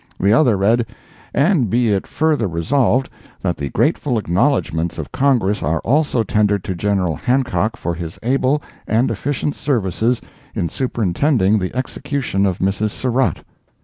The other read: "And be it further Resolved, That the grateful acknowledgments of Congress are also tendered to Gen. Hancock for his able and efficient services in superintending the execution of Mrs. Surratt!"